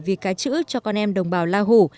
vì cái chữ cho con em đồng bào la hủ